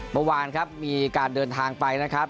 เมื่อวานครับมีการเดินทางไปนะครับ